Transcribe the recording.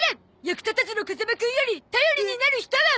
役立たずの風間くんより頼りになる人を！